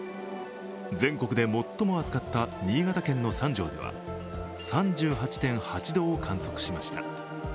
全国で最も暑かった新潟県の三条では３８．８度を観測しました。